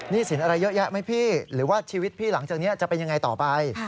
สินอะไรเยอะแยะไหมพี่หรือว่าชีวิตพี่หลังจากนี้จะเป็นยังไงต่อไป